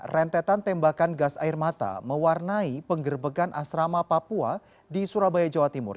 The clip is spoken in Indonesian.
rentetan tembakan gas air mata mewarnai penggerbekan asrama papua di surabaya jawa timur